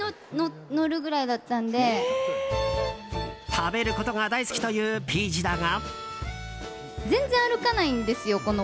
食べることが大好きというピーチだが。